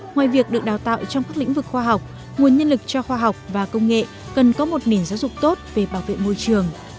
ngoài việc được đào tạo trong các lĩnh vực khoa học nguồn nhân lực cho khoa học và công nghệ cần có một nỉnh giáo dục tốt về bảo vệ môi trường